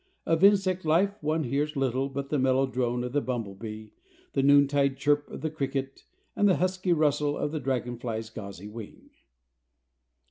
Of insect life one hears little but the mellow drone of the bumblebee, the noontide chirp of the cricket, and the husky rustle of the dragonfly's gauzy wing.